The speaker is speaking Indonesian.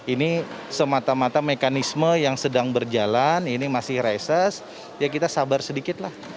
ini semata mata mekanisme yang sedang berjalan ini masih reses ya kita sabar sedikit lah